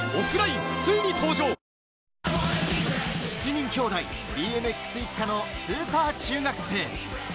７人きょうだい、ＢＭＸ一家のスーパー中学生。